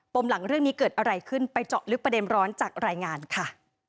มหลังเรื่องนี้เกิดอะไรขึ้นไปเจาะลึกประเด็นร้อนจากรายงานค่ะ